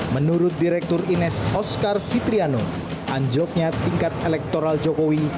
menurut direktur ines oscar fitriano anjloknya tingkat elektoral jokowi